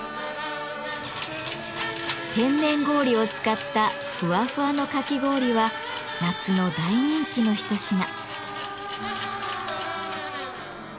天然氷を使ったふわふわのかき氷は夏の大人気の一品。